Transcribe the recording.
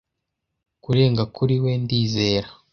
Kurenga kuri we. Ndizera